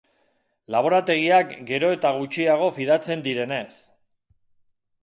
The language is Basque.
Laborategiak gero eta gutxiago fidatzen direnez.